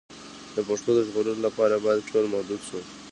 د پښتو د ژغورلو لپاره باید ټول متحد شو.